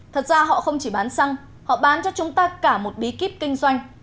thật ra họ không chỉ bán xăng họ bán cho chúng ta cả một bí kíp kinh doanh